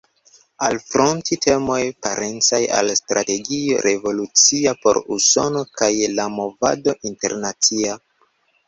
Alfronti temoj parencaj al strategio revolucia por Usono kaj la movado internacia.